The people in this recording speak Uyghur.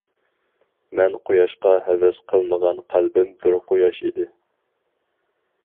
مەن قۇياشقا ھەۋەس قىلمىغان قەلبىم بىر قۇياش ئىدى.